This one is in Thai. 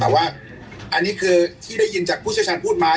แต่ว่าอันนี้คือที่ได้ยินจากผู้เชี่ยวชาญพูดมา